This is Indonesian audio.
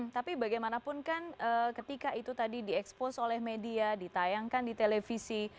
tapi bagaimanapun kan ketika itu tadi di expose oleh media ditayangkan di televisi